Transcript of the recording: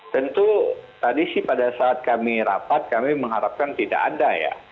tentu tadi sih pada saat kami rapat kami mengharapkan tidak ada ya